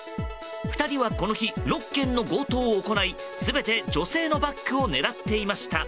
２人は、この日６件の強盗を行い全て女性のバッグを狙っていました。